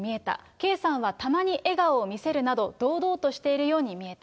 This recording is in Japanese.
圭さんはたまに笑顔を見せるなど、堂々としているように見えた。